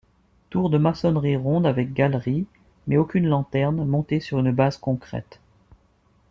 Tour de maçonnerie ronde avec galerie mais aucune lanterne, montée sur une base concrète.